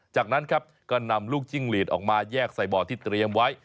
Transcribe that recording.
จากนั้นครับก็นำลูกจิ้งหลีดออกมาแยกใส่บ่อที่เตรียมไว้